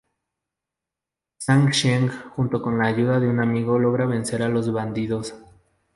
Zhang Sheng junto con la ayuda de un amigo logra vencer a los bandidos.